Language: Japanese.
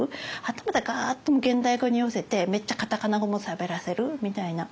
はたまたガッともう現代語に寄せてめっちゃカタカナ語もしゃべらせるみたいな。